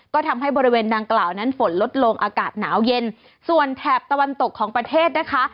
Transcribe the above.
ก็ทำให้บริเวณดังกล่าวนั้นฝนลดลงอากาศหนาวเย็นส่วนแถบตะวันตกของประเทศนะคะ